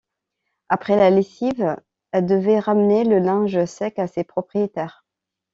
Après la lessive, elle devait ramener le linge sec à ses propriétaires.